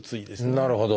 なるほど。